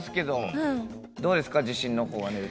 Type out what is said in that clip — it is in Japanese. どうですか自信の方は？